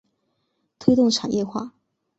推动产业化